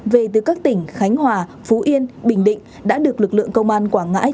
về từ các tỉnh khánh hòa phú yên bình định đã được lực lượng công an quảng ngãi